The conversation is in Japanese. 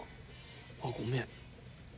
あっごめん。